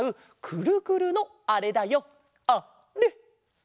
くるくるのあれだよあれ！